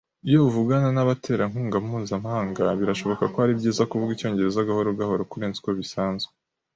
Iyo uvugana nabaterankunga mpuzamahanga, birashoboka ko ari byiza kuvuga icyongereza gahoro gahoro kurenza uko bisanzwe.